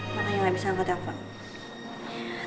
mana yang lebih sangka tampak